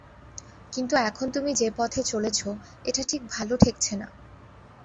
কিন্তু এখন তুমি যে পথে চলেছ এটা ঠিক ভালো ঠেকছে না।